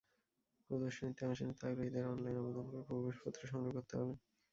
প্রদর্শনীতে অংশ নিতে আগ্রহীদের অনলাইনে আবেদন করে প্রবেশপত্র সংগ্রহ করতে হবে।